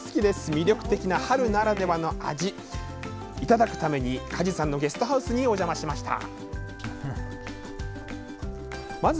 魅力的な春ならではの味をいただくために鍛治さんのゲストハウスにお邪魔しました。